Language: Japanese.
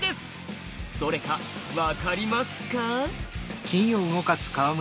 どれか分かりますか？